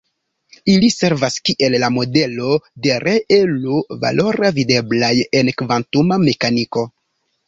Ili servas kiel la modelo de reelo-valora videblaj en kvantuma mekaniko.